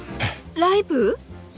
ライブ？